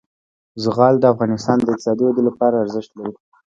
زغال د افغانستان د اقتصادي ودې لپاره ارزښت لري.